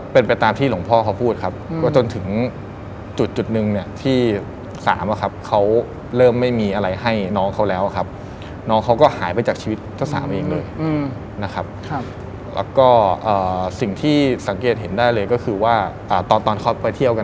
พ่อกับแม่พี่วิทย์เนี่ย